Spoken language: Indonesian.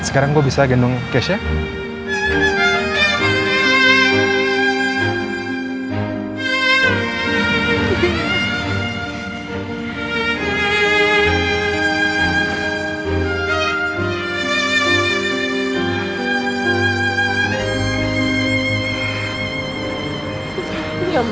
sekarang gue bisa gendong ke taliban